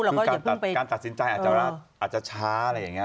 เราก็อย่าเพิ่งไปการตัดสินใจอาจจะช้าอะไรอย่างเงี้ย